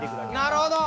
なるほど。